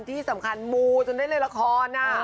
ที่สำคัญมูจนได้เล่นละคร